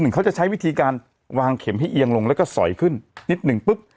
เขาจะใช้วิธีการวางเข็มให้เอียงลงแล้วก็สอยขึ้นนิดหนึ่งปุ๊บ